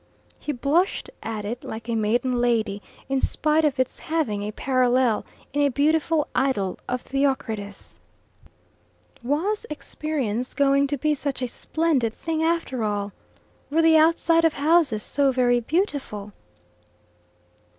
He blushed at it like a maiden lady, in spite of its having a parallel in a beautiful idyll of Theocritus. Was experience going to be such a splendid thing after all? Were the outside of houses so very beautiful?